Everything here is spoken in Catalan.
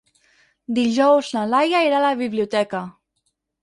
Dijous na Laia irà a la biblioteca.